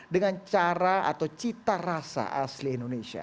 dengan cara atau cita rasa asli indonesia